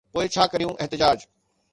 پوءِ ڇا ڪريون احتجاج؟